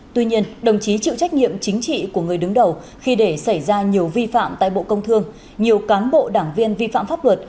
tuy nhiên đồng chí chịu trách nhiệm chính trị của người đứng đầu khi để xảy ra nhiều vi phạm tại bộ công thương nhiều cán bộ đảng viên vi phạm pháp luật